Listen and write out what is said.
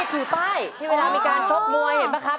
กี่ป้ายที่เวลามีการชกมวยเห็นไหมครับ